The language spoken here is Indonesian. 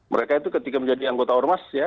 mereka itu ketika menjadi anggota ormas ya